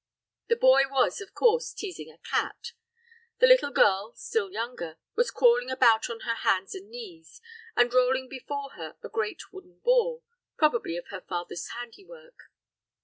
The boy was, of course, teazing a cat; the little girl, still younger, was crawling about upon her hands and knees, and rolling before her a great wooden ball, probably of her father's handiwork.